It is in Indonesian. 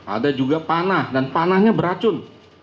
ada juga panah dan panahnya beracun